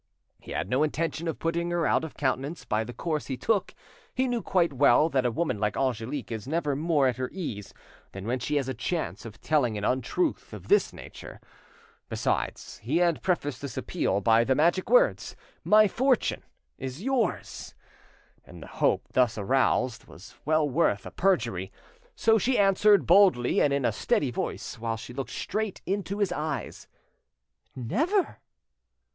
He had no intention of putting her out of countenance by the course he took; he knew quite well that a woman like Angelique is never more at her ease than when she has a chance of telling an untruth of this nature. Besides, he had prefaced this appeal by the magic words, "My fortune' is yours!" and the hope thus aroused was well worth a perjury. So she answered boldly and in a steady voice, while she looked straight into his eyes— "Never!"